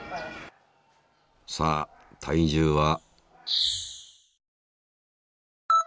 さあ体重は？